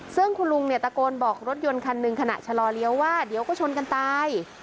ซึ่งคุณลุงเนี่ยตะโกนบอกรถยนต์คันหนึ่งขณะชะลอเลี้ยวว่าเดี๋ยวก็ชนกันตาย